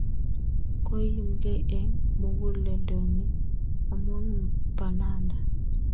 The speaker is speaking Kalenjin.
Koi imkey eng' muguleldonnyi amun pananda.